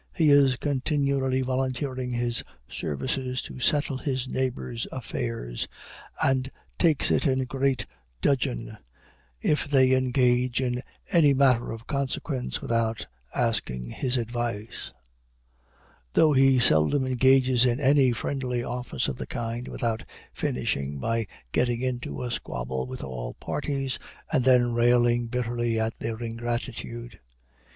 He is continually volunteering his services to settle his neighbors' affairs, and takes it in great dudgeon if they engage in any matter of consequence without asking his advice; though he seldom engages in any friendly office of the kind without finishing by getting into a squabble with all parties, and then railing bitterly at their ingratitude.